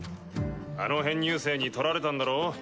あの編入生に取られたんだろ？